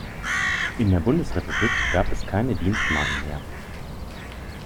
In der Bundesrepublik gab es keine Dienstmarken mehr.